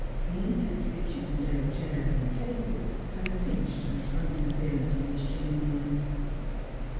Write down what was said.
The intensely Chippendale chairs and tables had a pinched and shrunken appearance on this chilly morning.